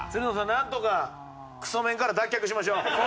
なんとかクソメンから脱却しましょう。